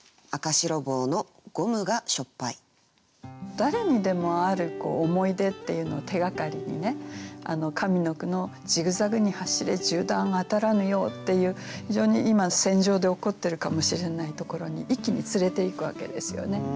誰にでもある思い出っていうのを手がかりにね上の句の「ジグザグに走れ銃弾当たらぬよう」っていう非常に今戦場で起こってるかもしれないところに一気に連れていくわけですよね。